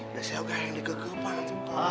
udah saya juga yang dikekepan